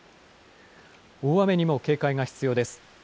大雨にも警戒が必要です。